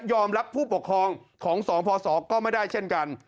รับผู้ปกครองของสองพศก็ไม่ได้เช่นกัน